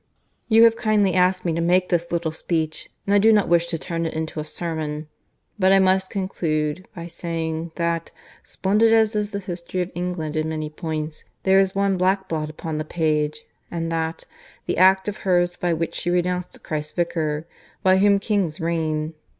"You have kindly asked me to make this little speech, and I do not wish to turn it into a sermon, but I must conclude by saying that, splendid as is the history of England in many points, there is one black blot upon the page, and that, the act of hers by which she renounced Christ's Vicar, by whom kings reign.